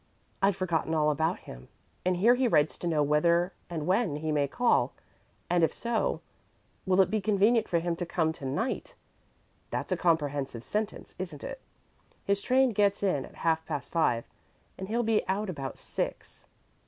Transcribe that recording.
I'd forgotten all about him, and here he writes to know whether and when he may call, and, if so, will it be convenient for him to come to night. That's a comprehensive sentence, isn't it? His train gets in at half past five and he'll be out about six."